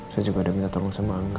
saya juga udah minta tolong sama angga